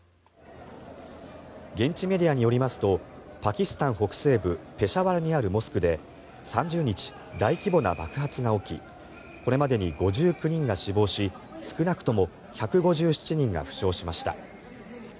現地メディアによりますとパキスタン北西部ペシャワルにあるモスクで３０日、大規模な爆発が起きこれまでに５９人が死亡し少なくとも１５７人が負傷しました。